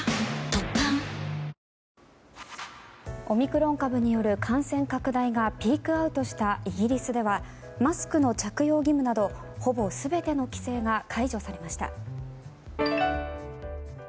オミクロン株による感染拡大がピークアウトしたイギリスではマスクの着用義務などほぼ全ての規制が解除されました。